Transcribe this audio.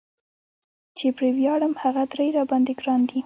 چې پرې وياړم هغه درې را باندي ګران دي